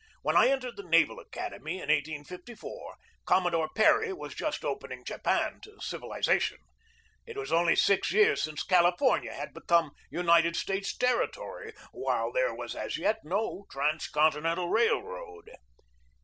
When I entered the Naval Academy, in 1854, Commodore Perry was just opening Japan to civilization; it was only six years since California had become United States ter ritory; while there was as yet no transcontinental railroad.